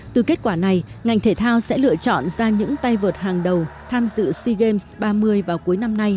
từ kết quả này ngành thể thao sẽ lựa chọn ra những tay vợt hàng đầu tham dự sea games ba mươi vào cuối năm nay